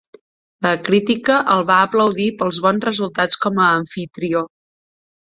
La crítica el va aplaudir pels bons resultats com a amfitrió.